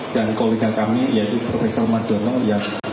dan kolega kami yaitu profesor madono yang